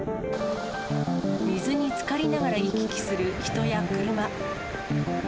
水につかりながら行き来する人や車。